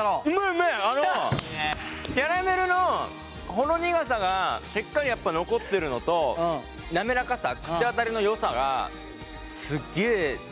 あのキャラメルのほろ苦さがしっかりやっぱ残ってるのと滑らかさ口当たりのよさがすっげえ存分に出てますよ。